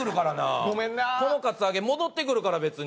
このカツアゲ戻ってくるから別に。